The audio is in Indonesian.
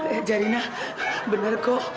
eh jarina bener kok